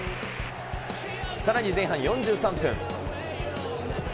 さらに前半４３分。